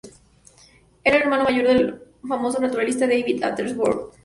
Era el hermano mayor del famoso naturalista David Attenborough.